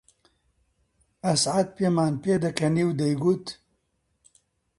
ئەسعەد پێمان پێ دەکەنی و دەیگوت: